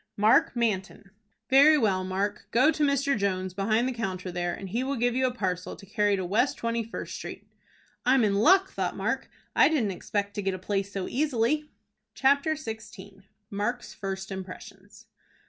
"Mark Manton." "Very well, Mark. Go to Mr. Jones, behind the counter there, and he will give you a parcel to carry to West Twenty First Street." "I'm in luck," thought Mark. "I didn't expect to get a place so easily." CHAPTER XVI. MARK'S FIRST IMPRESSIONS.